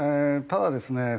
ただですね